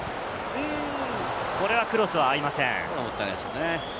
これはクロスは合いません。